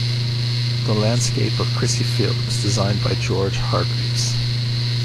The landscape of Crissy Field was designed by George Hargreaves.